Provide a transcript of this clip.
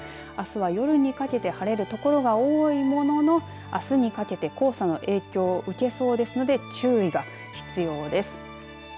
あすは夜にかけて晴れる所が多いもののあすにかけて黄砂の影響を受けそうですので注意が必要です。